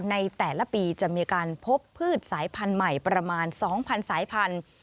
ในแต่ละปีจะมีการพบพืชสายพันธุ์ใหม่ประมาณ๒๐๐๐สายพันธุ